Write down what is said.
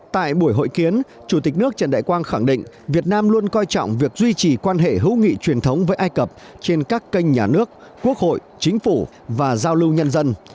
tại buổi hội kiến chủ tịch nước trần đại quang khẳng định việt nam luôn coi trọng việc duy trì quan hệ hữu nghị truyền thống với ai cập trên các kênh nhà nước quốc hội chính phủ và giao lưu nhân dân